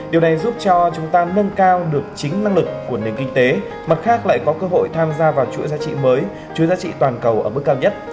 điều này giúp cho chúng ta nâng cao được chính năng lực của nền kinh tế mặt khác lại có cơ hội tham gia vào chuỗi giá trị mới chuỗi giá trị toàn cầu ở mức cao nhất